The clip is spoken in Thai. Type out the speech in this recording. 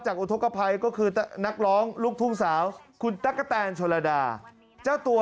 อุทธกภัยก็คือนักร้องลูกทุ่งสาวคุณตั๊กกะแตนชนระดาเจ้าตัว